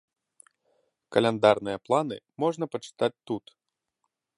Каляндарныя планы можна пачытаць тут.